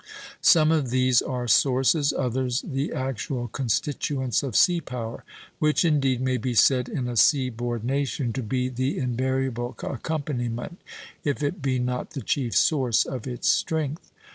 Some of these are sources, others the actual constituents, of sea power; which indeed may be said in a seaboard nation to be the invariable accompaniment, if it be not the chief source, of its strength.